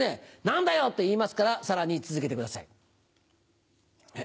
「何だよ」って言いますからさらに続けてください。